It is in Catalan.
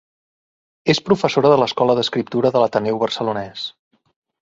És professora de l'Escola d'Escriptura de l'Ateneu Barcelonès.